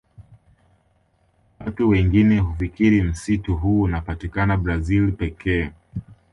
Watu wengine hufikiri msitu huu unapatikana Brazil pekee